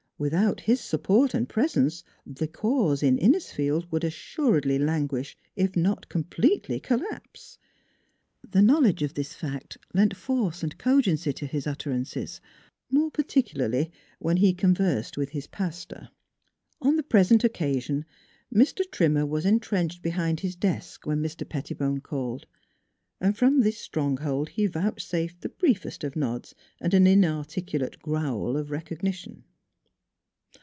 Without his support and presence " the cause " in Innisfield would assuredly languish, if not completely collapse. The knowledge of this fact lent force and cogency to his utterances more particularly when he con versed with his pastor. On the present occasion Mr. Trimmer was intrenched behind his desk when Mr. Pettibone called, and from this stronghold he vouchsafed the briefest of nods and an inarticulate growl of recognition.